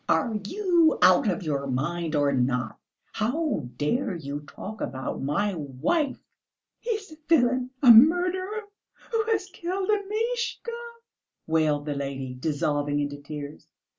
"Are you out of your mind or not? How dare you talk about my wife?" "He is a villain, a murderer who has killed Amishka," wailed the lady, dissolving into tears.